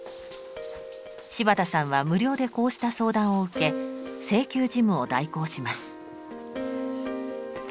柴田さんは無料でこうした相談を受け請求事務を代行します。